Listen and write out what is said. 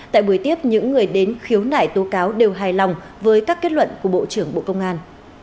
tại buổi tiếp những người đến khiếu nại tố cáo đều hài lòng với các kết luận của bộ trưởng bộ công an